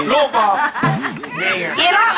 ลูกบอก